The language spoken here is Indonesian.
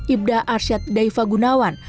ibda arsyad daifah gunawan